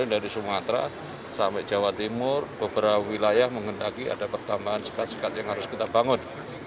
dari sumatera sampai jawa timur beberapa wilayah mengendaki ada pertambahan sekat sekat yang harus kita bangun